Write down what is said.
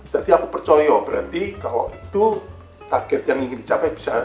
berarti aku percaya berarti kalau itu target yang ingin dicapai bisa